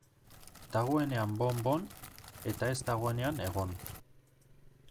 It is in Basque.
Dagoenean bon-bon, eta ez dagoenean egon.